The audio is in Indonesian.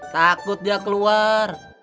takut dia keluar